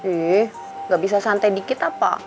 eh gak bisa santai dikit apa